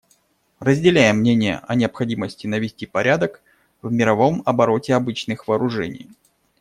Разделяем мнение о необходимости навести порядок в мировом обороте обычных вооружений.